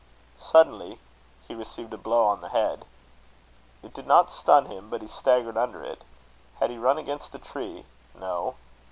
Suddenly he received a blow on the head. It did not stun him, but he staggered under it. Had he run against a tree? No.